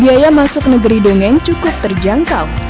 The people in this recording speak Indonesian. biaya masuk negeri dongeng cukup terjangkau